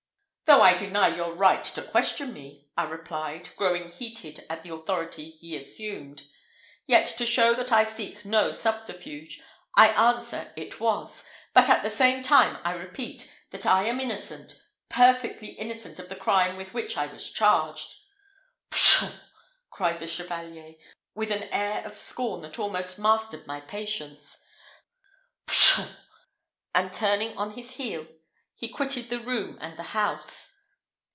"Though I deny your right to question me," I replied, growing heated at the authority he assumed, "yet to show that I seek no subterfuge, I answer it was; but, at the same time, I repeat, that I am innocent perfectly innocent of the crime with which I was charged." "Pshaw!" cried the Chevalier, with an air of scorn that almost mastered my patience "Pshaw!" and turning on his heel, he quitted the room and the house.